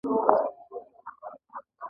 جهانګیر به چې هر چېرې تللو دی ورسره و.